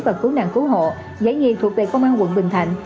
và cứu nạn cứu hộ giải nhì thuộc về công an quận bình thạnh